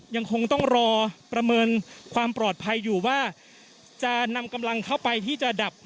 ยังคงต้องรอประเมินความปลอดภัยอยู่ว่าจะนำกำลังเข้าไปที่จะดับ